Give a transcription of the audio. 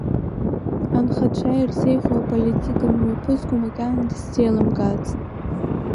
Анхацәа ирзеиӷьу аполитика мҩаԥызго макьана дысзеилымкаацт.